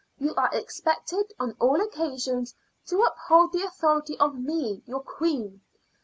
You are expected on all occasions to uphold the authority of me, your queen.